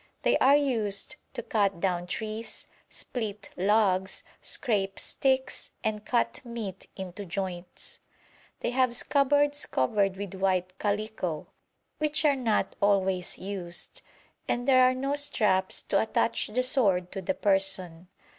They are used to cut down trees, split logs, scrape sticks, and cut meat into joints. They have scabbards covered with white calico, which are not always used, and there are no straps to attach the sword to the person.